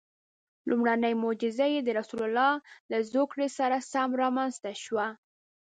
لومړنۍ معجزه یې د رسول الله له زوکړې سره سم رامنځته شوه.